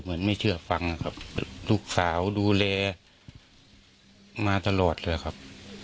เหมือนไม่เชื่อฟังครับ